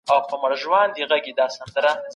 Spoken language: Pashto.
ما پخوا داسي ږغ نه و اورېدلی.